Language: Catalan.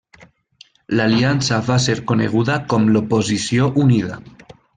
L'aliança va ser coneguda com l'Oposició Unida.